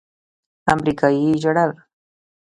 امريکايي ژړل.